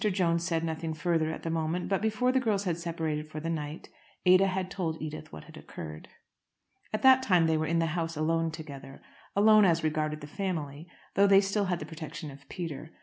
Jones said nothing further at the moment, but before the girls had separated for the night Ada had told Edith what had occurred. At that time they were in the house alone together, alone as regarded the family, though they still had the protection of Peter.